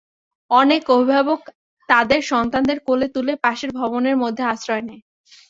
অনেক অভিভাবক তাদের সন্তানদের কোলে তুলে পাশের ভবনের মধ্যে আশ্রয় নেয়।